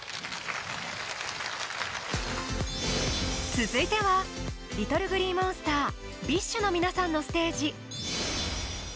続いてはＬｉｔｔｌｅＧｌｅｅＭｏｎｓｔｅｒＢｉＳＨの皆さんのステージ。